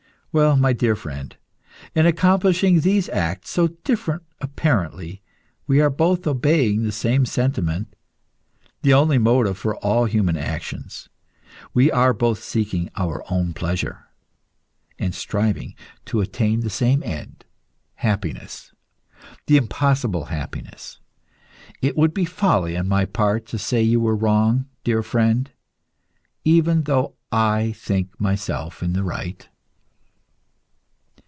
Well, my dear friend, in accomplishing these acts, so different apparently, we are both obeying the same sentiment, the only motive for all human actions; we are both seeking our own pleasure, and striving to attain the same end happiness, the impossible happiness. It would be folly on my part to say you were wrong, dear friend, even though I think myself in the right.